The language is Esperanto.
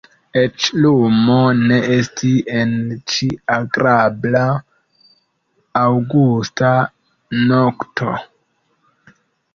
Eĉ lumo ne estis en ĉi agrabla aŭgusta nokto.